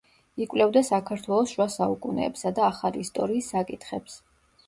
იკვლევდა საქართველოს შუა საუკუნეებსა და ახალი ისტორიის საკითხებს.